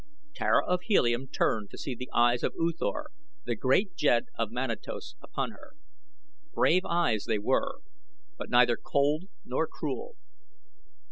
Tara of Helium turned to see the eyes of U Thor, the great jed of Manatos, upon her. Brave eyes they were, but neither cold nor cruel.